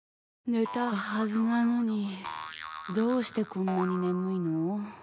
寝たはずなのにどうしてこんなに眠いの。